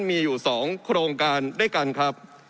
มีอยู่๒โครงการด้วยกันครับ